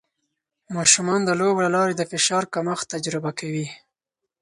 ماشومان د لوبو له لارې د فشار کمښت تجربه کوي.